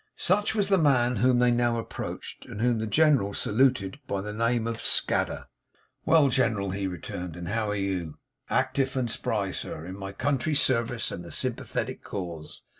Such was the man whom they now approached, and whom the General saluted by the name of Scadder. 'Well, Gen'ral,' he returned, 'and how are you?' 'Ac tive and spry, sir, in my country's service and the sympathetic cause.